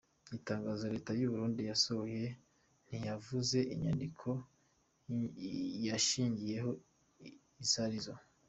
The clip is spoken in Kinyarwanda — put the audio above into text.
Itangazo leta y'uburundi yasohoye ntiyavuze inyandiko yashingiyeko izarizo.